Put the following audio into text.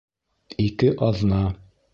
Ике аҙна